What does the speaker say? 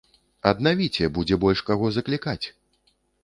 Аднавіце, будзе больш каго заклікаць!